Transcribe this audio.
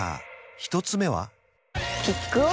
１つ目は？